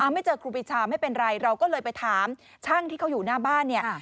ไม่เจอครูปีชาไม่เป็นไรเราก็เลยไปถามช่างที่เขาอยู่หน้าบ้านเนี่ย